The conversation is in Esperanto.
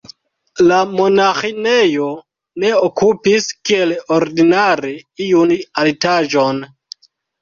La monaĥinejo ne okupis, kiel ordinare, iun altaĵon.